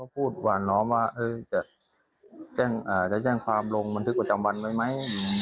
พูดหวานล้อมว่าจะแจ้งความลงบันทึกประจำวันไว้ไหม